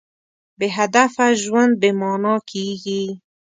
بېهدفه ژوند بېمانا کېږي.